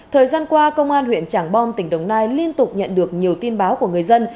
thời gian qua công an huyện trảng bom tỉnh đồng nai liên tục nhận được nhiều tin báo của người dân